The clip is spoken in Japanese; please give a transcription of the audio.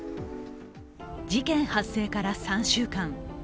事件発生から３週間。